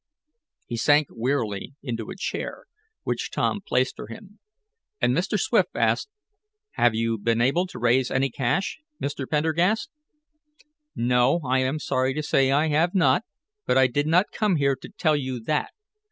He sank wearily into a chair which Tom placed for him, and Mr. Swift asked: "Have you been able to raise any cash, Mr. Pendergast?" "No, I am sorry to say I have not, but I did not come here to tell you that.